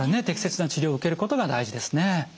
適切な治療を受けることが大事ですね。